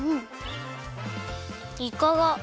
いかが。